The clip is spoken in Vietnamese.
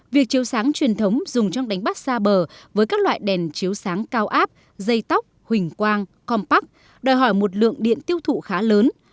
việc chiếu sáng truyền thống dùng trong đánh bắt xa bờ với các loại đèn chiếu sáng cao áp dây tóc hình quang compact đòi hỏi một lượng điện tiêu thụ khá lớn